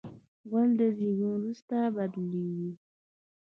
غول د زیږون وروسته بدلېږي.